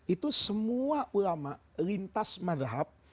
itu semua ulama lintas madhab